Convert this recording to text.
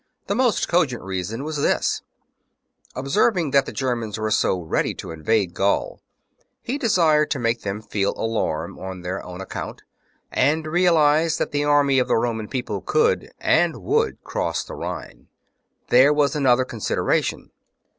The most cogent reason was this :— observing that the Germans were so ready to invade Gaul, he desired to make them feel alarm on their own account, and realize that the army of the Roman People could and would cross the Rhine. There was another con sideration.